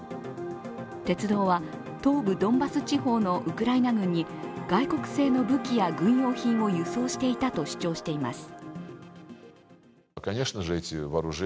鉄道は東部ドンバス地方のウクライナ軍に外国製の武器や軍用品を輸送していたと主張しています。